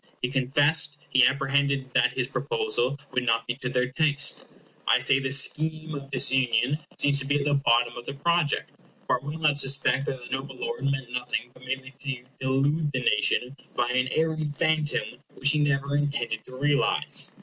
He confessed he apprehended that his proposal would not be to their taste. I say this scheme of disunion seems to be at the bottom of the project; for I will not suspect that the noble lord meant nothing but merely to delude the nation by an airy phantom which he never intended to realize.